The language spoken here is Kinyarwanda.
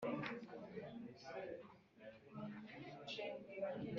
urugero rwiza rutsindagiye, rucugushije, rusesekaye ni rwo muzagererwa